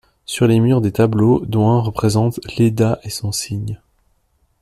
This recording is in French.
Sur les murs, des tableaux, dont un représente "Léda et son cygne".